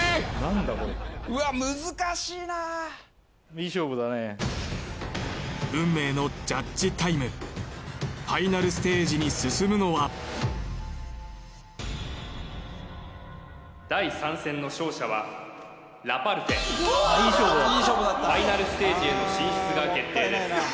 いい勝負だね運命のジャッジタイムファイナルステージに進むのは第３戦の勝者はラパルフェファイナルステージへの進出が決定です